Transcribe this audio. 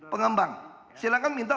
pengembang silahkan minta